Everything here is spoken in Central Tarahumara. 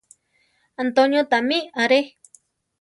Antonio tamí are.